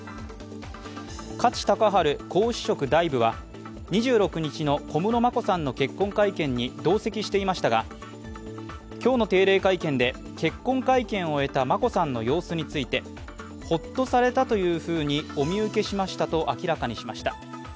加地隆治皇嗣職大夫は２６日の小室眞子さんの結婚会見に同席していましたが今日の定例会見で結婚会見を終えた眞子さんの様子についてホッとされたというふうにお見受けしましたと明らかにしました。